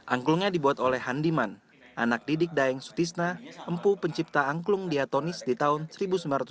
angklungnya dibuat oleh handiman anak didik daeng sutisna empu pencipta angklung diatonis di tahun seribu sembilan ratus sembilan puluh